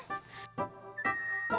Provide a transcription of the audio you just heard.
nih lu ngerti gak